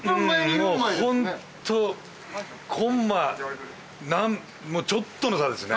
もうホントコンマちょっとの差ですね。